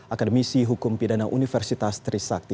akademisi hukum pidana universitas trisakti